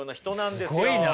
すごいな。